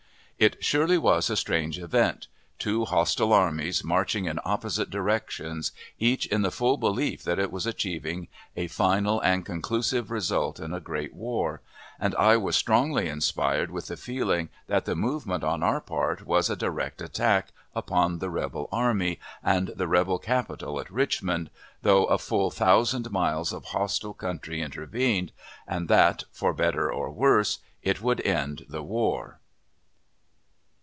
It surely was a strange event two hostile armies marching in opposite directions, each in the full belief that it was achieving a final and conclusive result in a great war; and I was strongly inspired with the feeling that the movement on our part was a direct attack upon the rebel army and the rebel capital at Richmond, though a full thousand miles of hostile country intervened, and that, for better or worse, it would end the war.